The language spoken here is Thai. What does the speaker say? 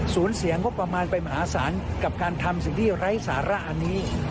เสียงงบประมาณไปมหาศาลกับการทำสิ่งที่ไร้สาระอันนี้